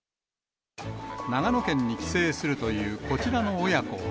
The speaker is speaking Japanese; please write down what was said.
長野県に帰省するというこちらの親子は。